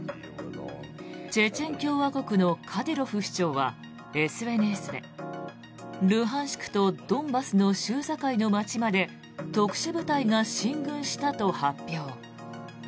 チェチェン共和国のカディロフ首長はＳＮＳで、ルハンシクとドンバスの州境の街まで特殊部隊が進軍したと発表。